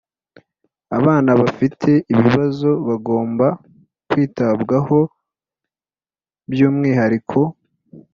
Abana bafite ibibazo bagomba kwitabwaho by’umwihariko